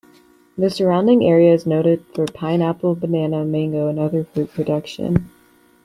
The surrounding area is noted for pineapple, banana, mango, and other fruit production.